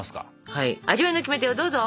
はい味わいのキメテをどうぞ。